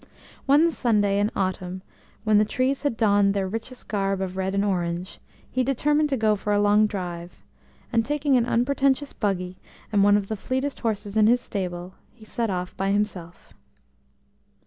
One Sunday in autumn, when the trees had donned their richest garb of red and orange, he determined to go for a long drive, and taking an unpretentious buggy and one of the fleetest horses in his stable, he set off by himself.